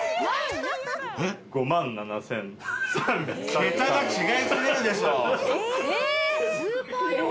ケタが違いすぎるでしょ。